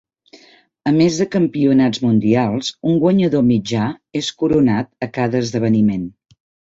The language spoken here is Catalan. A més de campionats mundials, un guanyador mitjà es coronat a cada esdeveniment.